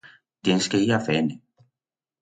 Tiens que ir a fer-ne.